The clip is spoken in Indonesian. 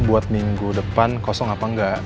buat minggu depan kosong apa enggak